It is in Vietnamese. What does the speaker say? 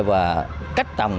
và cách trồng